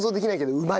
うまい！